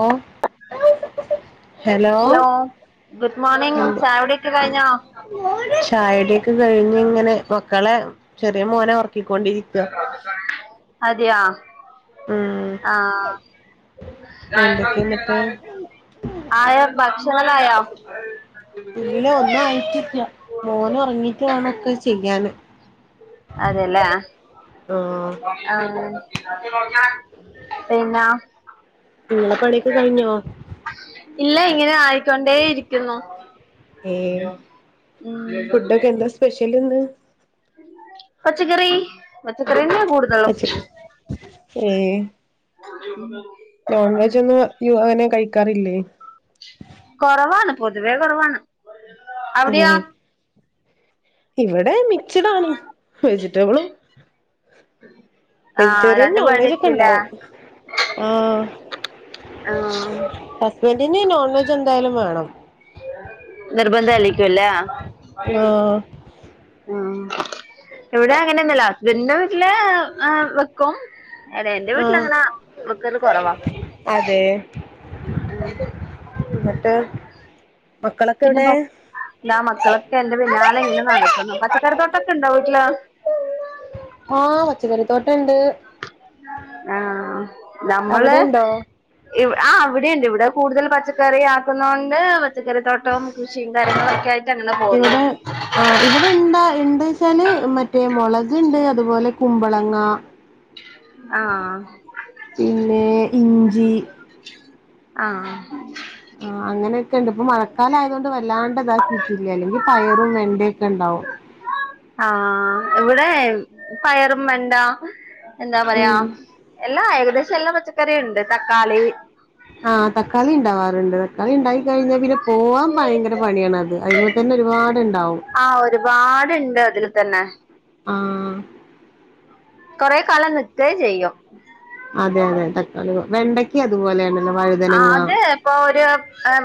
ഓ hello good morning ചായ കുടിയൊക്കെ കഴിഞ്ഞോ- ചായകുടിയൊക്കെ കഴിഞ്ഞു ഇങ്ങനെ മക്കളെ ചെറിയ മോനെ ഉറക്കിക്കൊണ്ടിരിക്ക അതെയാ ഉം ആഹ് എന്തൊക്കെയ എന്നിട്ട് [unintelligible] ആയാ ഭക്ഷണായ ഇല്ല ഒന്നും ആയിട്ടില്ല മോനെ ഉറങ്ങിട്ട് വേണൊക്കെ ചെയ്യാനെ [unintelligible] അതെല്ലാം ആഹ് [unintelligible] പിന്നെ നിങ്ങളെ പണിയൊക്കെ കഴിഞ്ഞോ- ഇല്ല ഇങ്ങനെ ആയി. കൊണ്ടേയിരിക്കുന്നു ഏ ഉം ഫുഡൊക്കെ എന്താ സ്പെഷ്യൽ എന്ത് പച്ചക്കറി പച്ചക്കറന്നെ കൂടു [unintelligible] ഏഹ് [unintelligible] [inaudible] നോൺ വെജ് ഒന്നും നി അങ്ങനെ കഴിക്കാറില്ലേ കൊറവാണ് പൊതുവേ കുറവാണ് ഏ അവിടെയൊ ഇവിടെ മിക്സ്ഡാണ് വെജിറ്റബിളും ആഹ് വെജിറ്റേറിയൻ രണ്ടും നോൺ വെജഒക്കെ വേണ്ടിയിരിക്കൂല്ലേ ഇണ്ടാവും. ആഹ് ആഹ് ഹസ്ബന്റിനെ നോൺവെജ് എന്തായാലും വേണം. നിർബന്ധം യിരിക്കുമല്ലേ ആഹ് ഉം ഇവിടെ അങ്ങനെന്നുല്ല ഹസ്ബൻഡിന്റെ വീട്ടിലെ വെക്കും അതെ എന്റെ വീട്ടില ആഹ് അങ്ങനെ വെക്കലെ കുറവാ അതെ ഉം എന്നിട്ട് മക്കളൊക്കെ പിന്നെ എവിടെ പ- ദാ മക്കളൊക്കെ എന്റെ പിന്നാലെ ഇങ്ങനെ നടക്കുന്നു പച്ചക്കറി തോട്ടൊക്കെ ഉണ്ടാ വീട്ടിലെ ആഹ് പച്ചക്കറിത്തോട്ടണ്ട് ആഹ് നമ്മള് അവിടെ ഉണ്ടോ ആ അവിടെണ്ട് ഇവിടെ കൂടുതൽ പച്ചക്കറി ആക്കുന്നുണ്ട് പച്ചക്കറി തൊട്ട ഇപ്പൊ കൃഷിയും കാര്യങ്ങളും ഒക്കെ ആയിട്ട് ഇവിടെ ആഹ് ഇവിടെ ഇണ്ട ഇണ്ട്ച്ചാല് മറ്റേ മൊളക് ണ്ട് അതുപോലെ കുമ്പളങ്ങ ആഹ് പിന്നെ ഇഞ്ചി ആഹ് ആ അങ്ങനൊക്കെണ്ട് ഇപ്പൊ മഴക്കാലയതോണ്ട് വല്ലാണ്ട് ഇതാക്കിട്ടില്ലല്ലോ ല്ലെങ്കി പയറും വെണ്ടൊക്കെണ്ടാവും ആഹ് ഇവിടെ പയറും വെണ്ട എന്താ പറയാ ഉം എല്ലാ ഏകദേശം എല്ലാ പച്ചക്കറികളുംണ്ട് തക്കാളി ആഹ് തക്കളിണ്ടാവാറുണ്ട് അത്ണ്ടായി കഴിഞ്ഞാ പിന്നെ പോവാൻ ഭയങ്കര പണിയാണത് അയിമെതന്നെ ഒരുപാട്ണ്ടാവും ആഹ് ഒരുപാട്ണ്ട് അതിൽ തന്നെ ആഹ് കൊറെ കാലം നിക്കേംചെയ്യും അതെ അതെ തക്കാളി വെണ്ടക്കിം അതുപോലെന്നെ ആ അത് പ്പൊ ഒരു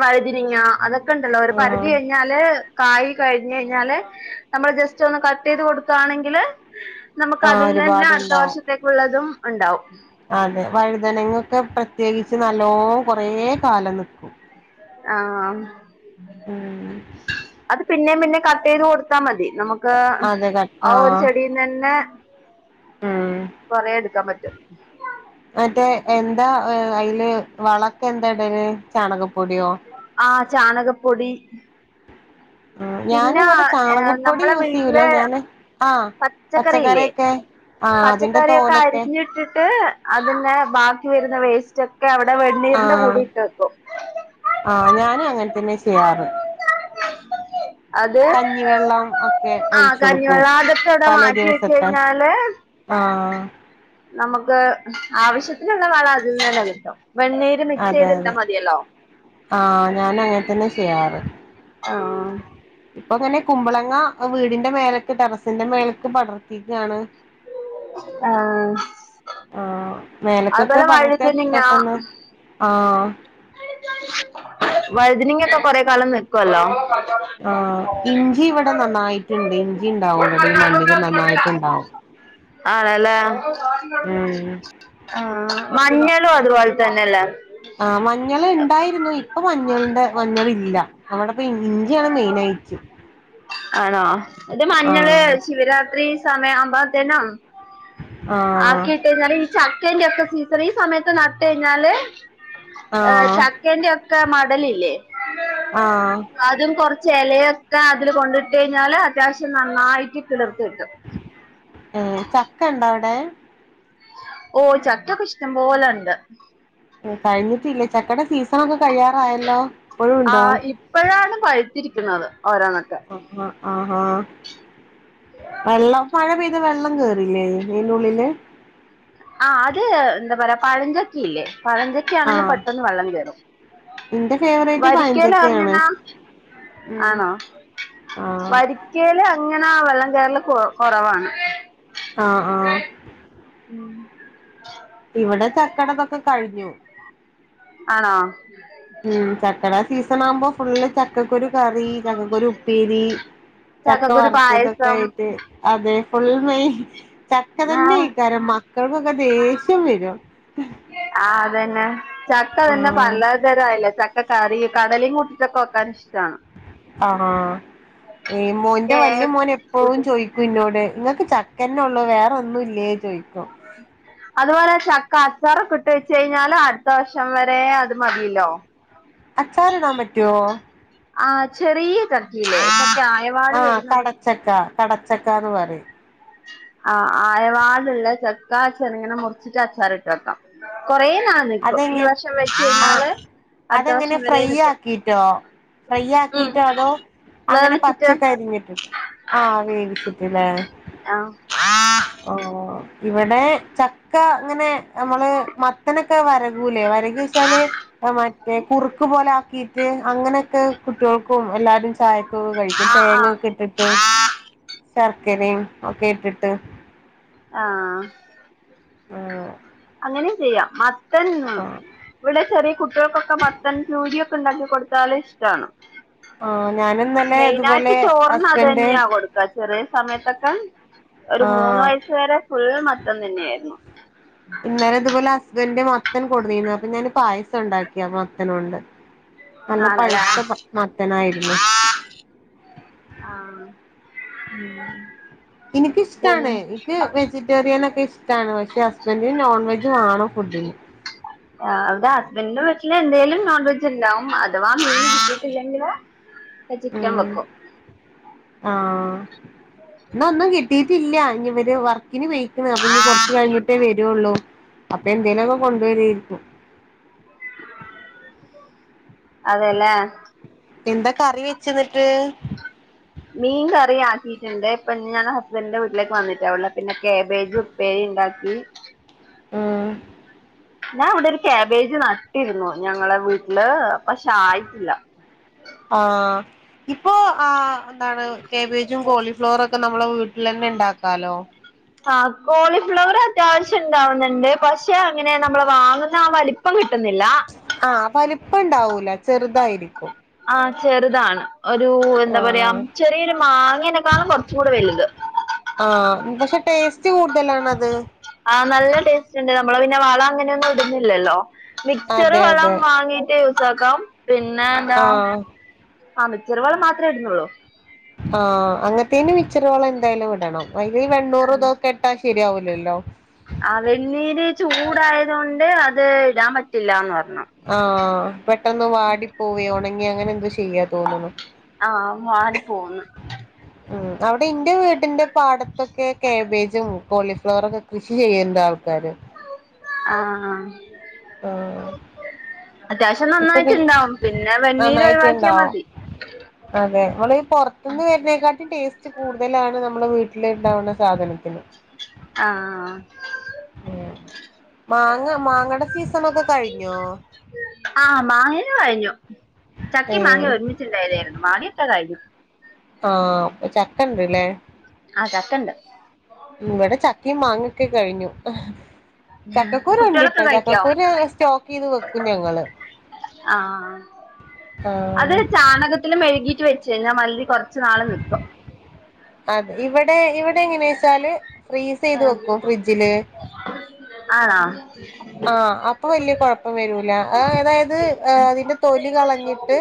വഴുതിനിങ്ങ അതൊക്കെണ്ടല്ലോ ഒരു ആഹ് പരിധി കഴിഞ്ഞ ഞ്ഞാല് കായ് കഴിഞ്ഞയിഞ്ഞാല് നമ്മള് ജസ്റ്റ് ഒന്ന് കട്ടെയ്ത് കൊടുക്കാണെങ്കില് നമുക്ക് ആഹ് അതിൽന്നന്നെ അട്ത്ത ഒരുപാടുണ്ടാവും വർഷത്തേക്കുള്ളതും ഒണ്ടാവും അതെ വഴുതനങ്ങൊക്കെ പ്രത്യേകിച്ച് നല്ലോ കൊറേ കാലം നിക്കും ആഹ് ഉം അത് പിന്നേും പിന്നേ കട്ടയ്ത് കൊടുത്താ മതി നമുക്ക് അതെ ക ആ ഒരു ആഹ് ചെടിന്ന്ന്നെ ഉം കൊറെ എടുക്കാൻ പറ്റും മറ്റേ എന്താ അയിൽ വളൊക്കെന്താ ഇടൽ ചാണകപ്പൊടിയോ ആഹ് ചാണകപ്പൊടി ആഹ് പിന്ന ഞാനിവിടെ എ ചാണകപ്പൊടി നമ്മളെ യൂസ് ചെയ്യൂല വീട്ട്ല് ഞാന് ആഹ് പച്ചക്കറില്ലേ പച്ചക്കറിയൊക്കെ ആഹ് അതിന്റെ പച്ചക്കറിയൊക്കെ തോലൊക്കെ അരിഞ്ഞിട്ടിട്ട് അതിന്ന് ബാക്കി വരുന്ന വേസ്റ്റോ ക്കെ അവിടെ വെണ്ണീരിന്റെ ആഹ് പൊടി ഇട്ട് വെക്കും ആഹ് ഞാനും അങ്ങനെ തന്നെ ചെയ്യാറ് അത് കഞ്ഞിവെള്ളം ഒക്കെ ആഹ് ഒഴിച്ചു കൊടുക്കും കഞ്ഞിവെള്ളാ അകത് തലേ മാറ്റിച്ച് ദിവസത്തെ കഴിഞ്ഞാല് ആഹ് നമുക്ക് ആവശ്യത്തിനുള്ള വളതിന്നന്നെ കിട്ടും വെണ്ണീ ത് അതെ മിക്സെയ്തിട്ടാ അതെ മതിയല്ലോ ആഹ് ഞാനങ്ങന തന്നെ ചെയ്യാറ് ആ ഇപ്പൊങ്ങനെ കുമ്പളങ്ങ വീടിന്റെ മേലക്ക് ടെറസിന്റെ മേലക്ക് പടർത്തിക്കാണ് ആഹ് ആഹ് മേലക്കൊക്കെ പടർത്തിയ വഴുതനങ്ങ പെട്ടെന്ന് ആഹ് വഴ്തിനങ്ങക്കെ കൊറെ കാലം നിക്കോല്ലോ ആഹ് ഇഞ്ചിവിടെ നന്നായിറ്റുണ്ട് ഇഞ്ചിണ്ടാവും വിടെ ഈ മണ്ണില് നന്നായിട്ടുണ്ടാവും ആണല്ലേ ഉം ആഹ് മഞ്ഞളും അതുപോല തന്നല്ലേ ആ മഞ്ഞള്ണ്ടായിരുന്നു ഇപ്പൊ മഞ്ഞളിന്റെ മഞ്ഞളില്ല അവിടെപ്പൊ ഇഞ്ചിയണ് മെയിനായിറ്റ് ആണോ ഇത് മഞ്ഞള് ആഹ് ശിവരാത്രി സമയാവുംമ്പത്തേനും ആഹ് ആക്കിട്ട്ഴിഞ്ഞാല് ഈ ചക്കേന്റെ ഒക്കെ സീസൺ ഈ സമയത്ത് നട്ട്ഴിഞ്ഞാല് ആഹ് ചക്കേന്റെ ഒക്ക മടലില്ലേ ആഹ് അതും കുറച്ചേലോക്കെ അതില് കൊണ്ടിട്ട് കഴിഞ്ഞാല് അത്യാവശ്യം നന്നായിട്ട് കിളിർത്തു കിട്ടും ഏഹ് ചക്കണ്ടോ അവോടെ ഓ ചക്കക്കെ ഇഷ്ട്ടമ്പോലെണ്ട് കഴിഞ്ഞിട്ടില്ലേ ചക്കട സീസണക്കെ കഴിയാറായല്ലോ പ്പഴുംണ്ടോ ഇപ്പോഴാണ് പഴുത്തിരിക്കുന്നത് ഓരാന്നൊക്കെ ആഹ് ആഹാ വെള്ളം മഴ പെയ്താ വെള്ളം കേറില്ലേ അയിന്റുള്ളിൽ ആ അത് എന്താ പറയ പഴഞ്ചക്ക ഇല്ലേ പഴഞ്ചക്ക ചക്കേ ആണെങ്കിൽ ആഹ് പെട്ടെന്ന് വെള്ളം കയറും എന്റെ ഫേവറേറ്റ് പഴഞ്ചക്കയാണ് വരിക്കലങ്ങനെ ഉം ആണോ ആഹ് വരിക്കല് അങ്ങനെ വെള്ളം കേറൽ കൊ കൊറവാണ് ആഹ് ആഹ് ഉം ഇവിടെ ചക്കടതൊക്കെ കഴിഞ്ഞു ആണോ ഉം ചക്കട സീസൺ ആവുമ്പോ ഫുള്ള് ചക്ക ചക്കകുരു കറി ചക്കകുരു ഉപ്പീരി ചക്ക ചക്കക്കുരു പായസം വറുത്തതൊക്കെയിട്ട് അതെ ഫുൾ മ്മേ ചക്ക തന്നെ ആഹ് എയ്ക്കാരം മക്കൾക്കൊക്കെ ദേഷ്യം വരും ആഹ് അതന്നെ ചക്കതെന്നെ ആഹ് പല രല്ല ചക്കക്കറി കടലേം കൂട്ടിട്ടൊക്കെ വെക്കാൻ ഇഷ്ടാണ് ആണോ [unintelligible] ഏഹ് വല്യമോനെപ്പഴും കൂട്ടും ചോയി കുന്നോട് ങ്ങക്ക് ചക്കന്നെള്ളൂ വേറെന്നും ഇല്ലേ ചോയ്ക്കും അതെപോലെ ചക്ക അച്ചാറക്കെട്ടു വെച്ച്ഴിഞ്ഞാല് അടുത്ത വർഷം വരെ അത് മതില്ലോ അച്ചാർടാൻ പറ്റോ ആഹ് ചെറിയ ചക്കില്ലേ ആഹ് കടച്ചക്ക കടച്ചക്കാന്ന് പറയും ആ ആയവാന്നുള്ള ചെക്ക ചെറ്ങ്ങനെ മുറിച്ചിട്ട് അച്ചാർട്ട് വെക്കാം കുറെ നാൾ നിക്കും ഈ അതെങ്ങെ വർഷം വെച്ച് ആഹ് കയിഞ്ഞാല് അടുത്ത അതെങ്ങനെ വർഷം വരെ ഫ്രൈ നിക്കും ആക്കിട്ടോ ഫ്രൈ ഉം ആകീട്ടോ അതോ അങ്ങനെ വേവിച്ചിട്ട് പച്ചക്കരിഞ്ഞിട്ടോ ആഹ് വേവിച്ചിട്ടല്ലേ ആഹ് ആഹ് ഇവിടെ ചക്ക ഇങ്ങനെ നമ്മള് മത്തന വരകൂലേ വരക വച്ചാല് മറ്റേ കുറുക്ക് പോലാക്കി ഉം അങ്ങനെക്കെ കുട്ടിയൾക്കും എല്ലാരും ചയക്കും കഴിക്കും ആ ആ തേങ്ങൊക്കെ ഇട്ടിട്ട് ശർക്കരയുക്കെ ഇട്ടിട്ട് ആഹ് ആഹ് അങ്ങനിം ചെയ്യാം മത്തൻ ആഹ് ഇവിടെ ചെറിയ കുട്ടിൾക്കൊക്കെ മത്തൻ ചൂടിയൊക്കെണ്ടാക്കി കൊടുത്താല് ഇഷ്ടാണ് ആഹ് ഞാനിന്നലെ മെയിന ആയിട്ട് ഇതുപോലെ ചോറിന് അതെ ഹസ്ബൻഡ് ന്നെയാ കൊടുക്കാ ചെറിയ സമയത്തൊക്കെ ഒരു മൂന്ന് ആഹ് വയസ് വരെ ഫുൾ മത്തൻ തന്നെയായിരുന്നു ഇന്നലെ ഇതെപോലെ ഹസ്ബൻഡന്റെ മത്തൻ കെടുന്നീന്നു അപ്പൊ ഞാന് പായസംണ്ടാക്കിയാ മത്തനൊണ്ട് നല്ല ആണല്ലേ പഴുത്ത മത്തനായിരുന്നു ആഹ് ഉം ഇനിക്കിഷ്ടാണ് എനിക്ക് വെജിറ്റേറിയൻ ഒക്കെ ഇഷ്ട്ടാണ് പക്ഷെ ഹസ്ബന്റിന് നോൺ വെജ് വേണം ഫുഡിന് ഉ [inaudible] ആ വിടെ ഹസ്ബൻറിന്റെ വീട്ടിൽ എന്തേങ്കലും നോൺവെജ് ഇണ്ടാവും അഥവാ മീൻട്ടില്ലെങ്കിൽ [inaudible] ചിക്കൻവെക്കും ആ ഇന്നൊന്നും കിട്ടിട്ടില്ല ഇനിവര് വർ ഇനി വെയക്കുന്ന അപ്പൊ ഇനി കൊറച്ച് കഴിഞ്ഞൊട്ടേ വരുള്ളൂ അപ്പൊന്തേലുക്കെ കൊണ്ട് വരി കൊണ്ടുവരെരിക്കും അതെല്ലേ എന്താ കറി വെച്ച്ന്ന്ട്ട് മീൻ കറി ആക്കിയിട്ട്ണ്ട് ഇപ്പം ഞാൻ ഹസ്ബൻഡിന്റെ വീട്ടിലേക്ക് വന്നിട്ടാള്ളെ പിന്നെ കേബേജും പ്പേരിണ്ടാക്കി ഉം ഞാവ്ടെ ഒരു കാബേജ് നട്ടിരുന്നു ഞങ്ങളെ വീട്ട്ല് പക്ഷായില്ല. ആഹ് ഇപ്പോ ആഹ് എന്താണ് കാബേജും കോളിഫ്ലവറൊക്കെ നം നമ്മളെ വീട്ടിലെന്നെണ്ടാക്കാലോ ആഹ് കോളിഫ്ലവറത്യാവശ്യം ഉണ്ടാവുന്നിണ്ട് പഷെ അങ്ങനെ നമ്മള് വാങ്ങുന്ന ആഹ് വലി പ്പങ്കിട്ട്ന്നില്ല ആഹ് വലിപ്പം ഉണ്ടാവൂല ചെറുതായിരിക്കും. ആഹ് ചെറിതാണ് ഒരു എന്താ പറയാ ആഹ് ചെറീയൊരു മാങ്ങനെക്കാളും കൊർച്ചുങ്കൂടെ വെലുത് ആഹ് പഷെ ടേസ്റ്റ് കൂട്തലാണത്. ആഹ് നല്ല ടേസ്റ്റിണ്ട് നമ്മള് പിന്നെ വളങ്ങനൊന്നും ഇടുന്നില്ലല്ലോ. മിക്ച്ചർ അതെ വളം അതെ വാങ്ങീട്ട് യൂസാക്കാം പിന്നെ ഏതാ ആഹ് ആ മിച്ചറ് വളം മാത്രേ ഇട്ന്നുള്ളൂ ആഹ് അങ്ങൻത്തീന് മിച്ചറ് വളം എന്തായ്ലും ഇടണം അയ്നീ വണ്ണൂറുതൊ കെട്ടാ ശെരിയാവൂലല്ലോ ആ വെണ്ണീര് ചൂടായത് കൊണ്ട് അത് ഇടാൻ പറ്റില്ലാന്ന് പറഞ്ഞ് ആഹ് പെട്ടന്ന് വാടിപ്പോവേ ഒണങ്ങേ അങ്ങനെ എന്തോ ചെയ്യാ തോന്നുന്നു ആഹ് വാടി പോകുന്നു. ഉം അവ്ടെ ഇന്റെ വീടിന്റെ പാടത്തൊക്ക കാബേജും കോളിഫ്ലവറൊക്കെ കൃഷി ചെയ്യിണ്ട് ആൾക്കാര് ആഹ് ആഹ് അത്യാവശ്യം ഇപ്പൊ പി നന്നായിട്ട്ണ്ടാവും പിന്നെ വെണ്ണീര് ഒഴിവാക്കിയാൽ നന്നായിട്ടുണ്ടാവും മതി. അതെ ഇങ്ങളീ പൊർത്തിന്ന് വെര്നേ കാട്ടി ടസ്റ്റ് കൂടുതലാണ് നമ്മുടെ വീട്ടില്ണ്ടാവ്ണ സാധനത്തിന്. ആഹ് ആഹ് ഏഹ് മാങ്ങ മാങ്ങടെ സീസണൊക്കെ കഴിഞ്ഞോ? ആഹ് മാങ്ങെ കഴിഞ്ഞു ഏ ചക്കിം മാങ്ങിം ഒര്മിച്ചിണ്ടായ്തേനു മാങ്ങ്യൊക്കെ കയ്ഞ്ഞു. ആഹ് പ്പ ചക്കണ്ട് ലേ ആഹ് ചക്കണ്ട് ഇവിടെ ചക്കിം മാങ്ങക്കെ കഴിഞ്ഞു. ചക്കക്കുരു കുട്ടികളൊക്കെ ഇൻക്കിഷ്ടാ കഴിക്കോ ചക്കക്കുരു ഞങള് സ്റ്റോക്കീത് വെക്കും ഞങ്ങള്. ആഹ് ആ അത് ആഹ് ചാണക മെഴുകീട്ട് വെച്ച് [unintelligible] മല്ലി കൊർച്ച് നാള് നിക്കും. അ ഇവടെ ഇവടെ എങ്ങനേച്ചാല് ഫ്രീസെയ്ത് വെക്കും ഫ്രിഡ്ജില്. ആണോ? ആഹ് അപ്പൊ വല്ല്യെ കൊഴപ്പം വരൂല ആ അതായത് ഏ അതിന്റെ തൊലി കളഞ്ഞിട്ട്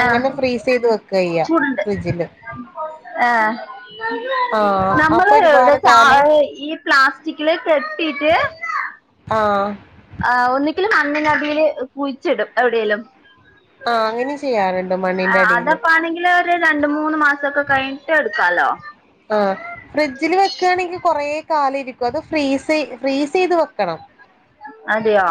അങ്ങനെ ആഹ് ഫ്രീസെയ്ത് വെക്കാ എയ്യാ ചൂടുണ്ട് ഫ്രിഡ്ജില് ആഹ് ആഹ് അപ്പൊ നമ്മള് ഇവിടെ ഒരുപാട് ച കാലം ഈ പ്ലാസ്റ്റിക്കില് കെട്ടിട്ട് ആഹ് ആ ഒന്നിങ്കില് മണ്ണിനടീല് കുഴിച്ചിടും എവ്ടീലും ആഹ് അങ്ങനെ ചെയ്യാറുണ്ട് മണ്ണിന്റെ ആഹ് അടിയില്. അതപ്പാണെങ്കില് രണ്ട് മൂന്ന് മാസൊക്കെ കയിൻട്ട് ഇടുക്കാലോ. ആഹ് ഫ്രിഡ്ജില് വെക്കാണെങ്കിൽ കൊറേ കാലിരിക്കും അത് ഫ്രീസെ ഫ്രീസെയ്ത് വെക്കണം. അതെയോ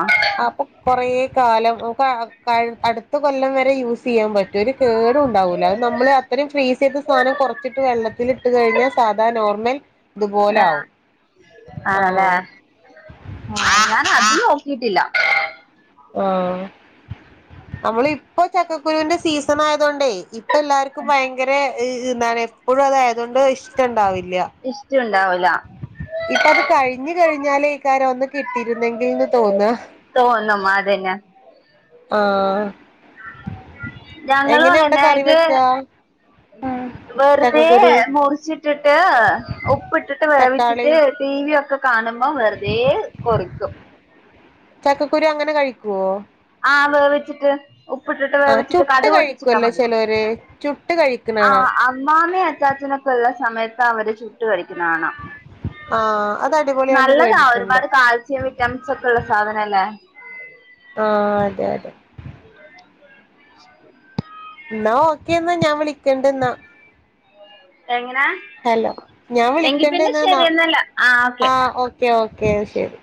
അപ്പൊ കൊറേ കാലം ക കഴ് അടുത്ത കൊല്ലം വരെ യൂസ്സെയ്യാൻ പറ്റും ഒരു കേട് ടുണ്ടാവൂല്ല അത് നമ്മള് അത്രെം ഫ്രീസെയ്ത സാനം കൊർച്ചിട്ട് വെള്ളത്തില് ത് കഴിഞ്ഞാ സാധാ നോർമൽ തുപോലെ ആഹ് ആവും ആണല്ലേ ആഹ് ആഹ് ഞാൻ അത് നോക്കിയിട്ടില്ല ആഹ് നമ്മള ഇപ്പൊ ചക്കക്കുരുന്റെ സീസൺ സണായതോണ്ടേ ഇപ്പ എല്ലാർക്കു ഭയങ്കര [unintelligible] എപ്പോഴും അതായതോണ്ട് ഇഷ്ടണ്ടാവില്ല ഇഷ്ടണ്ടാവൂല. ഇപ്പ അത് കഴിഞ്ഞു കഴിഞ്ഞാലൈ കാ രം ഒന്ന് കിട്ടിയിരുന്നെങ്കിൽന്ന് തോന്ന തോന്നമാരിയെന്ന ആഹ് ഞങ്ങളു എങ്ങനെ അവിടെ കറി അങ്ങന്നെത് വെക്കാ വെർതെ ചക്കക്കുരു മുറിച്ചിട്ടിട്ട് ഉപ്പിട്ടിട്ട് തക്കാളി വേവിച്ചിട്ട് ടി വി യൊക്കെ കാണുമ്പോം വെർതെ കൊറിക്കും. ചക്കക്കുരു അങ്ങനെ കഴിക്കോ ആഹ് വേവിച്ചിട്ട് ഉപ്പിട്ടിട്ട് ആഹ് വേവിച്ചിട്ട് ചുട്ട് കടു പൊട്ടിച്ചിട്ടാ കഴിക്കുവല്ലോ മതി ചെലോര് ചുട്ട് കഴിക്കണ കാണാം ആഹ് അ മ്മാമെ അച്ചാച്ചനൊക്കെ ഉള്ള സമയത്ത് അവര് ചിട്ട് കളിക്കുന്ന കാണാ ആഹ് അത് അടിപൊളിയാന്ന് നല്ലതാ കേട്ടിട്ടുണ്ട് ഒരുപാട് കാൽസ്യം വിറ്റാമിൻ സെക്കെ ഉള്ള സാധനല്ലേ. ആഹ് അതെ അതെ [inaudible] എന്നാ ഓക്കെ എന്നാ ഞാൻ വിളിക്കണ്ട്ന്നാ എങ്ങനെ ഹലോ ഞാൻ എങ്കി പിന്നെ വിളിക്കണ്ടന്നാ ശരിയെന്നല്ല ഓക്കെ ആഹ് ഓക്കേ ഓക്കേ ശരി